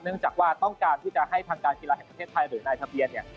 จากว่าต้องการที่จะให้ทางการกีฬาแห่งประเทศไทยหรือนายทะเบียนเนี่ย